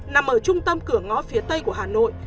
nằm ở trung tâm cửa ngõ phía tây của hà nội